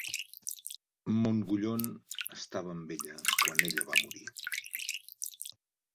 Montguyon estava amb ella quan ella va morir.